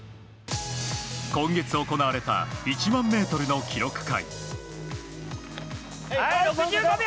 今月行われた１００００ｍの記録会。